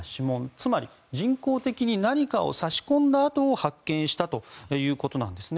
つまり人工的に何かを差し込んだ痕を発見したということなんですね。